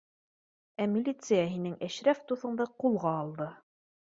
— Ә милиция һинең Әшрәф дуҫыңды ҡулға алды